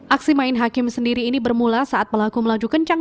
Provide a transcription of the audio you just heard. aksi main hakim sendiri ini bermula saat pelaku melaju kencang